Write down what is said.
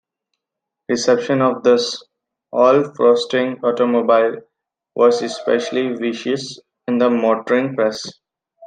Reception of this "all frosting automobile" was especially vicious in the motoring press.